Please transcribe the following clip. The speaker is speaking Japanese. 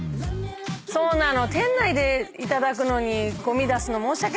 そうなの。